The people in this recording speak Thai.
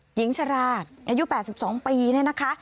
หญิงชราอายุ๘๒ปีเนี่ยนะคะ